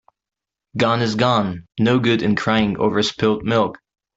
Gone is gone. No good in crying over spilt milk.